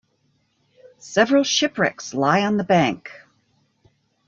Several shipwrecks lie on the bank.